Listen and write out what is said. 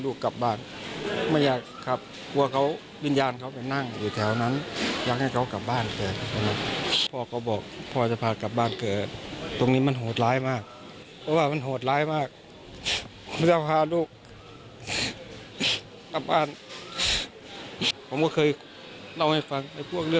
แล้วพวกเรื่องสัญลักษณ์เนี่ย